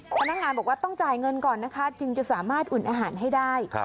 พนักงานบอกว่าต้องจ่ายเงินก่อนนะคะจึงจะสามารถอุ่นอาหารให้ได้